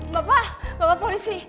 bapak bapak polisi